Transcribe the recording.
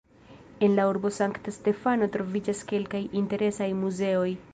En la urbo Sankta Stefano troviĝas kelkaj interesaj muzeoj.